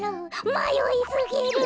まよいすぎる。